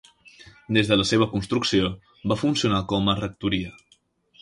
Des de la seva construcció va funcionar com a rectoria.